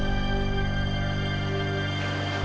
dan jangan lupa yang gede